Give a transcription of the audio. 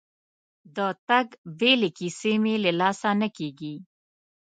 د تګ بیلې کیسې مې له لاسه نه کېږي.